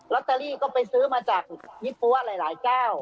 รอเตอรี่ก็ไปซื้อมาจากนิปุ๊ะหลายเจ้า